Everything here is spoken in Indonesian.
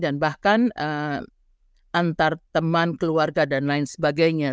dan bahkan antar teman keluarga dan lain sebagainya